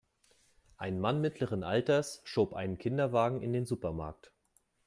Ein Mann mittleren Alters schob einen Kinderwagen in den Supermarkt.